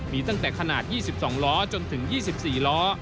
มีตั้งแต่ขนาด๒๒ล้อจนถึง๒๔ล้อ